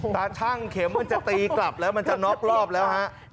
ช่างเข็มมันจะตีกลับแล้วมันจะน็อกรอบแล้วฮะ